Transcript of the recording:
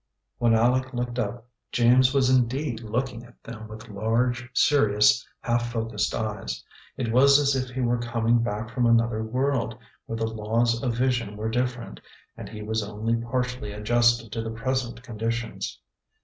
When Aleck looked up James was indeed looking at them with large, serious, half focussed eyes. It was as if he were coming back from another world where the laws of vision were different, and he was only partially adjusted to the present conditions.